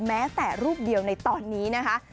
แม้แต่รูปเดียวในตอนนี้นะคะ